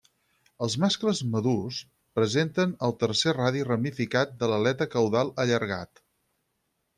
Els mascles madurs presenten el tercer radi ramificat de l'aleta caudal allargat.